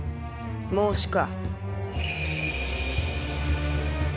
孟子か。